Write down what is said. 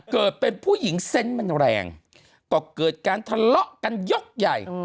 เกิดเป็นผู้หญิงเซนต์มันแรงก็เกิดการทะเลาะกันยกใหญ่